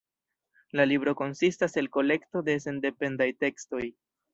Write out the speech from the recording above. La libro konsistas el kolekto de sendependaj tekstoj.